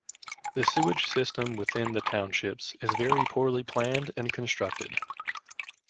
The sewerage system within the townships is very poorly planned and constructed.